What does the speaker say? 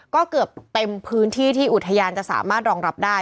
ก็เกือบเต็มพื้นที่ที่อุทยานจะสามารถรองรับได้